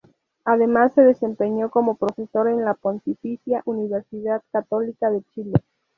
Además se desempeñó como profesor en la Pontificia Universidad Católica de Chile.